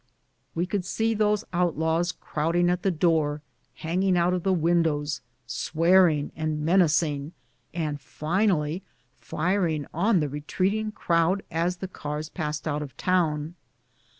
We could see these outlaws crowding at the door, hanging out of the windows, swearing and mena cing, and finally firing on the retreating crowd as the cars passed out of town.